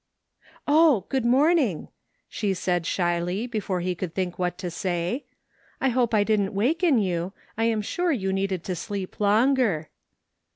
" Oh, good morning !" she said shyly before he could think what to say, " I hope I didn't waken you. I am sure you needed to sleep longer."